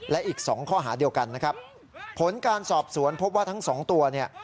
และอีกสองข้อหาเดียวกันนะครับผลการสอบสวนพบว่าทั้งสองตัวเนี่ย